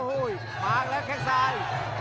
วางแล้วแค่งซ้าย